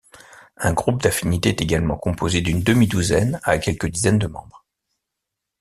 Un groupe d’affinité est généralement composé d’une demi-douzaine à quelques dizaines de membres.